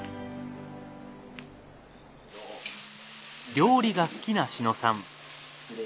料理が好きな志野さん。